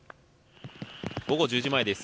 午後１０時前です。